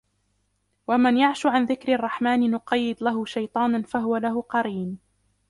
وَمَنْ يَعْشُ عَنْ ذِكْرِ الرَّحْمَنِ نُقَيِّضْ لَهُ شَيْطَانًا فَهُوَ لَهُ قَرِينٌ